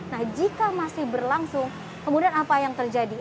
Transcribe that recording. nah jika masih berlangsung kemudian apa yang terjadi